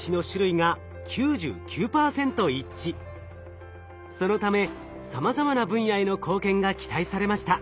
そのためさまざまな分野への貢献が期待されました。